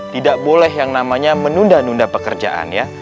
tidak boleh yang namanya menunda nunda pekerjaan ya